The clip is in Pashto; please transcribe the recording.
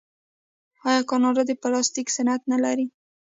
آیا کاناډا د پلاستیک صنعت نلري؟